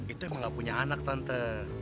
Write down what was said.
itu emang gak punya anak tante